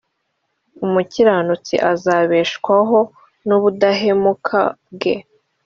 umukiranutsi azabeshwaho n ubudahemuka bwe.